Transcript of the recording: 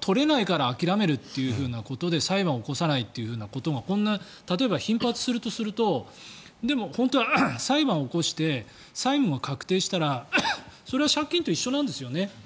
取れないから諦めるということで裁判を行さないことが例えば、頻発するとすると、でも本当は裁判を起こして債務が確定したらそれは借金と一緒なんですよね。